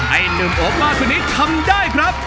ไอ้นุ่มโอปมาทุนี้ทำได้ครับ